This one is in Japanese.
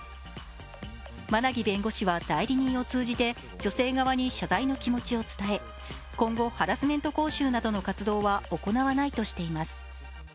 馬奈木弁護士は代理人を通じて、女性側に謝罪の気持ちを伝え、今後、ハラスメント講習などの活動は行わないとしています。